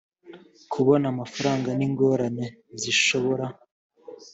kubona amafaranga n ingorane zishobora